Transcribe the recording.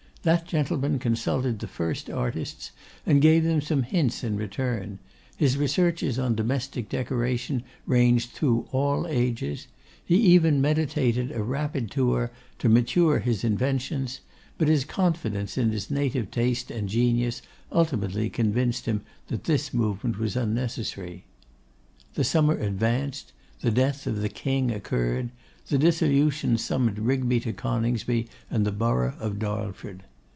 That gentleman consulted the first artists, and gave them some hints in return; his researches on domestic decoration ranged through all ages; he even meditated a rapid tour to mature his inventions; but his confidence in his native taste and genius ultimately convinced him that this movement was unnecessary. The summer advanced; the death of the King occurred; the dissolution summoned Rigby to Coningsby and the borough of Darlford.